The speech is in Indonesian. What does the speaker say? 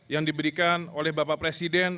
yang diberikan oleh bapak presiden